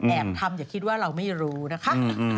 ทำอย่าคิดว่าเราไม่รู้นะคะ